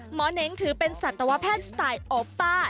เน้งถือเป็นสัตวแพทย์สไตล์โอป้า